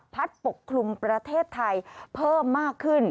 ปกคลุมประเทศไทยเพิ่มมากขึ้น